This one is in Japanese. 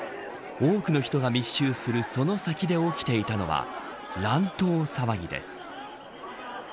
多くの人が密集するその先で起きていたのは乱闘騒ぎです。